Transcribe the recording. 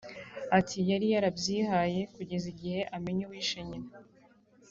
Ati “Yari yarabyihaye kugeza igihe amenye uwishe nyina